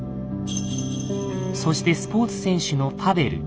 そしてスポーツ選手のパヴェル。